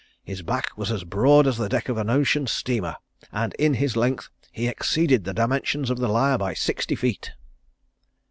His back was as broad as the deck of an ocean steamer and in his length he exceeded the dimensions of The Lyre by sixty feet."